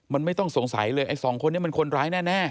มันไม่ต้องสงสัยเลยไอ้สองคนนี้มันคนร้ายแน่